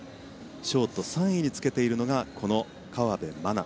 ショート３位につけているのがこの河辺愛菜。